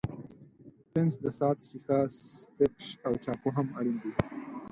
پنس، د ساعت ښيښه، ستکش او چاقو هم اړین دي.